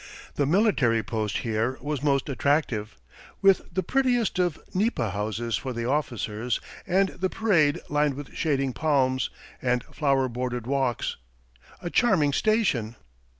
The military post here was most attractive, with the prettiest of nipa houses for the officers, and the parade lined with shading palms, and flower bordered walks a charming station.